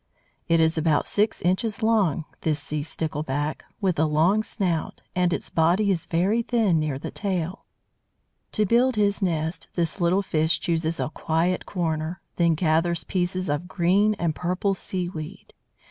It is about six inches long, this sea Stickleback, with a long snout, and its body is very thin near the tail. To build his nest, this little fish chooses a quiet corner, then gathers pieces of green and purple seaweed.